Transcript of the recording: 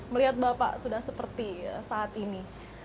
melihat bapak sudah seperti saat ini